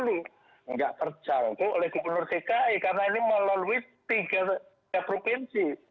karena itu sudah tidak terjangkau oleh gubernur dki karena ini melalui tiga provinsi